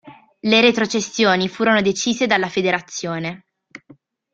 Le retrocessioni furono decise dalla Federazione.